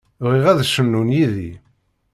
Bɣiɣ ad tecnum yid-i.